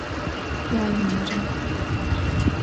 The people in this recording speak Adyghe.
Yaênere.